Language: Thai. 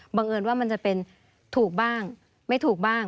เอิญว่ามันจะเป็นถูกบ้างไม่ถูกบ้าง